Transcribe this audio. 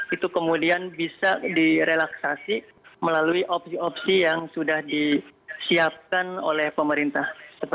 itu kemudian bisa direlaksasi melalui opsi opsi yang sudah disiapkan oleh pemerintah